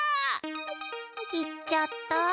行っちゃった。